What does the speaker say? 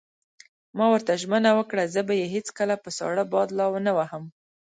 ما ورته ژمنه وکړه: زه به یې هېڅکله په ساړه باد لا ونه وهم.